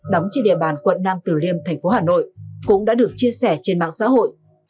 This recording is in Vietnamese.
đóng trên địa bàn quận nam tử liêm thành phố hà nội cũng đã được chia sẻ trên mạng xã hội